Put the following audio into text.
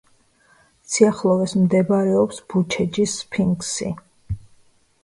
სიახლოვეს მდებარეობს ბუჩეჯის სფინქსი.